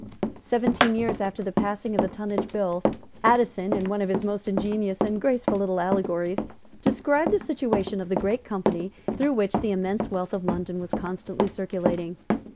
Seventeen years after the passing of the Tonnage Bill, Addison, in one of his most ingenious and graceful little allegories, described the situation of the great Company through which the immense wealth of London was constantly circulating.